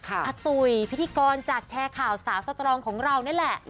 อาตุ๋ยพิธีกรจากแชร์ข่าวสาวสตรองของเรานี่แหละ